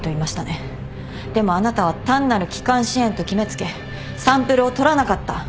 でもあなたは単なる気管支炎と決め付けサンプルをとらなかった。